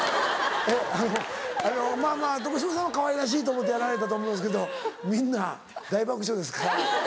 あのあのまぁまぁ床嶋さんはかわいらしいと思ってやられたと思うんですけどみんな大爆笑ですから。